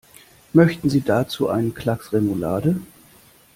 Möchten Sie dazu einen Klacks Remoulade?